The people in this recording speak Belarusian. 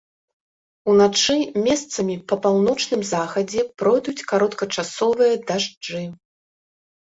Уначы месцамі па паўночным захадзе пройдуць кароткачасовыя дажджы.